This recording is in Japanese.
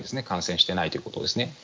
感染していないということを。